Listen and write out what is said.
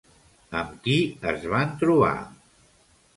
Amb qui es van trobar?